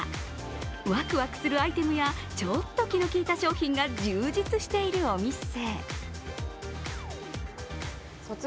ワクワクするアイテムや、ちょっと気の利いた商品が充実しているお店。